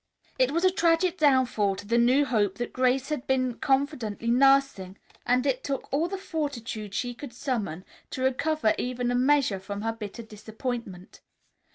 It was a tragic downfall to the new hope that Grace had been confidently nursing, and it took all the fortitude she could summon to recover even in a measure from her bitter disappointment.